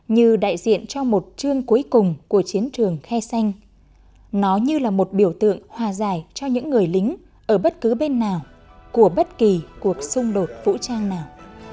như đại diện cho một chương cuối cùng của chiến trường khe xanh nó như là một biểu tượng hòa giải cho những người lính ở bất cứ bên nào của bất kỳ cuộc xung đột vũ trang nào